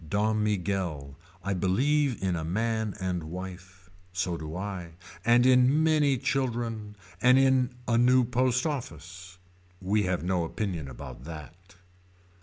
Don Miguel. I believe in a man and wife. So do I. And in many children. And in a new post office. We have no opinion about that.